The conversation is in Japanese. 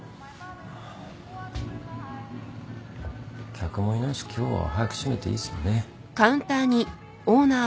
客もいないし今日は早く閉めていいっすかね？